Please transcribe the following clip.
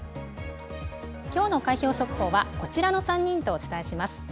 きょうの開票速報は、こちらの３人とお伝えします。